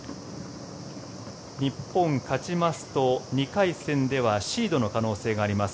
日本勝ちますと、２回戦ではシードの可能性があります。